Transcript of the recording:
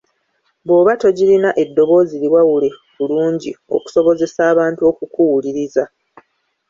Bw’oba togirina eddoboozi liwawule bulungi okusobozesa abantu okukuwuliriza.